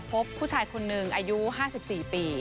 พบผู้ชายคนหนึ่งอายุ๕๔ปี